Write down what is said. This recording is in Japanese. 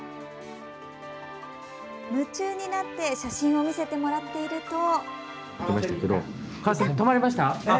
夢中になって写真を見せてもらっていると。